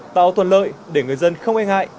tạo thuận lợi để người dân không e ngại